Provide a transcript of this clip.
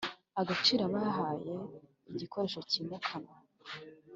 agaciro aba yahaye igikoresho cyimukanwa